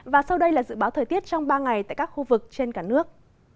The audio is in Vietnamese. và sau đây là dự báo thời tiết trong ba ngày tại các khu vực trên cả nước